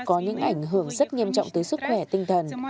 có những ảnh hưởng rất nghiêm trọng tới sức khỏe tinh thần